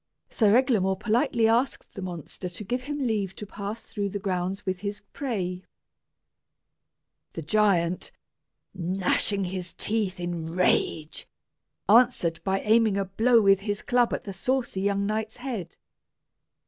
Sir Eglamour politely asked the monster to give him leave to pass through the grounds with his prey. The giant, gnashing his teeth in rage, answered by aiming a blow with his club at the saucy young knight's head.